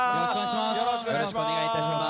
よろしくお願いします。